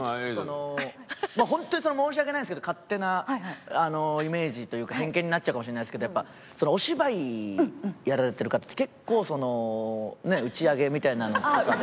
本当に申し訳ないんですけど勝手なイメージというか偏見になっちゃうかもしれないんですけどやっぱお芝居やられてる方って結構その打ち上げみたいなのとかで。